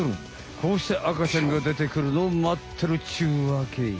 こうして赤ちゃんが出てくるのを待ってるっちゅうわけよ。